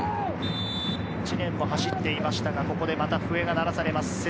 知念も走っていましたが、ここでまた笛が鳴らされます。